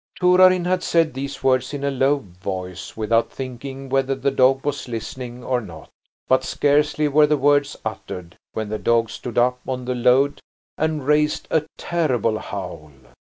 Torarin had said these words in a low voice, without thinking whether the dog was listening or not. But scarcely were the words uttered when the dog stood up on the load and raised a terrible howl.